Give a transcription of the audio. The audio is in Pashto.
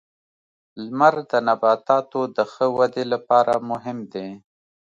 • لمر د نباتاتو د ښه ودې لپاره مهم دی.